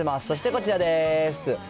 そしてこちらです。